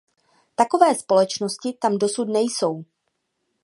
Takové společnosti tam dosud nejsou.